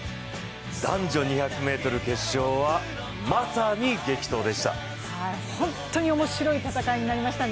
男女２００ｍ決勝はまさに激闘でした。